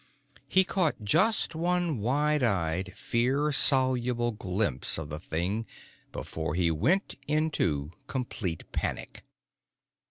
He caught just one wide eyed, fear soluble glimpse of the thing before he went into complete panic.